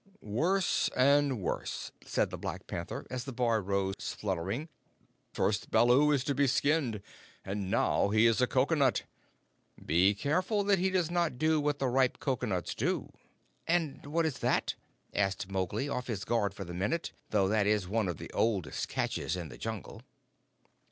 "Worse and worse," said the Black Panther, as the boy rose spluttering. "First, Baloo is to be skinned, and now he is a cocoanut. Be careful that he does not do what the ripe cocoanuts do." "And what is that?" said Mowgli, off his guard for the minute, though that is one of the oldest catches in the Jungle.